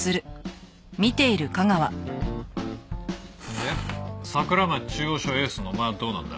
で桜町中央署エースのお前はどうなんだ？